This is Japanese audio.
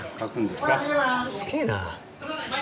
すげえな。